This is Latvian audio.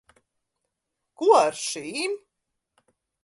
Ko ar šīm?